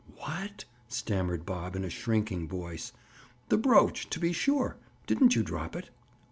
"What?" stammered Bob in a shrinking voice. "The brooch, to be sure. Didn't you drop it?"